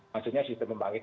maksudnya sistem pembangkit